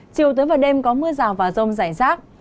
chiều tới vào đêm có mưa rào và rông rải rác